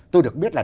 tôi được biết là